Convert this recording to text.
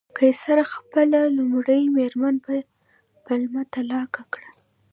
قیصر خپله لومړۍ مېرمن په پلمه طلاق کړه